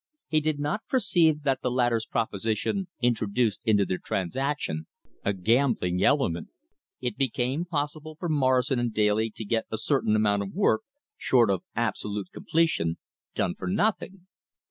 He did not perceive that the latter's proposition introduced into the transaction a gambling element. It became possible for Morrison & Daly to get a certain amount of work, short of absolute completion, done for nothing.